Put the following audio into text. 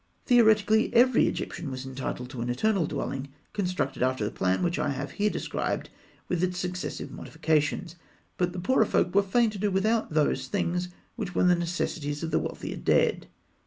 Theoretically, every Egyptian was entitled to an eternal dwelling constructed after the plan which I have here described with its successive modifications; but the poorer folk were fain to do without those things which were the necessities of the wealthier dead.